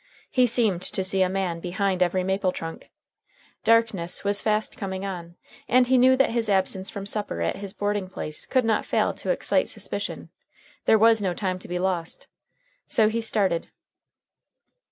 He seemed to see a man behind every maple trunk. Darkness was fast coming on, and he knew that his absence from supper at his boarding place could not fail to excite suspicion. There was no time to be lost. So he started.